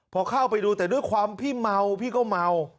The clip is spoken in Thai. พอเข้าไปดูแต่ด้วยความพี่เมาพี่ก็เมา